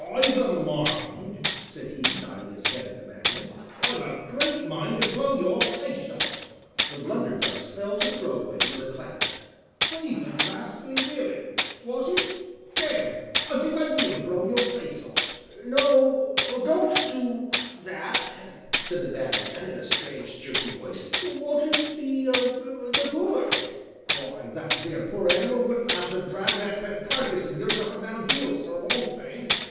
"I've a mind," said he, nodding his head at the Bagman, "I've a great mind to blow your face off." The blunderbuss fell to the roadway, with a clatter. "Thievin', rascally villain was it? Damme! I think I will blow your face off." "No don't do that," said the Bagman, in a strange, jerky voice, "what 'ud be the good?" "Why, that there poor animal wouldn't have to drag that fat carkiss of yours up and down hills, for one thing."